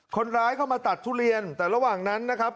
คนร้ายเข้ามาตัดทุเรียนแต่ระหว่างนั้นนะครับ